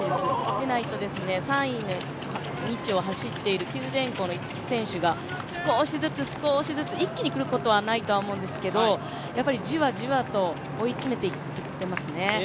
でないと３位を走っている九電工の選手が少しずつ少しずつ、一気にくることはないと思うんですけどやはりじわじわと追いついめていっていますね